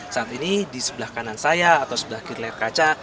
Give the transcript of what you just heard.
saat ini di sebelah kanan saya atau sebelah kiri layar kaca